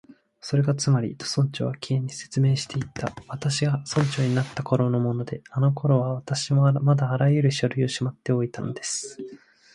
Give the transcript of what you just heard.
「それがつまり」と、村長は Ｋ に説明していった「私が村長になったころのもので、あのころは私もまだあらゆる書類をしまっておいたんです」